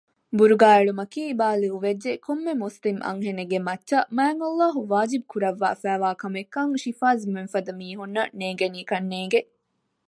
ބުރުގާ އެޅުމަކީ ބާލިޣުވެއްޖެ ކޮންމެ މުސްލިމް އަންހެނެއްގެ މައްޗަށް މާތްﷲ ވާޖިބު ކުރައްވާފައިވާ ކަމެއްކަން ޝިފްޒާމެންފަދަ މީހުންނަށް ނޭނގެނީކަންނޭނގެ